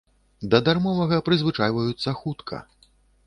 Да дармовага прызвычайваюцца хутка.